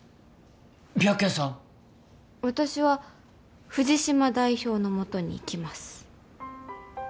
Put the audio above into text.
私は藤島代表の元に行きます。